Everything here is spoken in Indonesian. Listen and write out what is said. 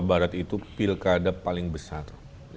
barat itu pilkada paling besar